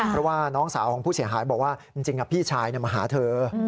เพราะว่าน้องสาวของผู้เสียหายบอกว่าจริงพี่ชายมาหาเธอ